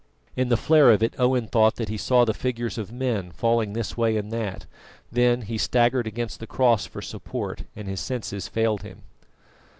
In the flare of it Owen thought that he saw the figures of men falling this way and that, then he staggered against the cross for support and his senses failed him.